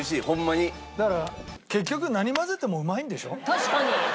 確かに。